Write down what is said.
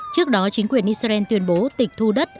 trước đó chính quyền israel tuyên bố tịch thu đất